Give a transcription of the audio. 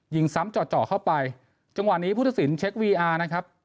ยิงซ้ำเจาะเจาะเข้าไปจังหวะนี้พุทธศิลปเช็ควีอาร์นะครับ